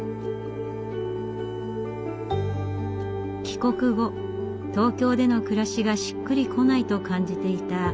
帰国後東京での暮らしがしっくりこないと感じていた若井さん。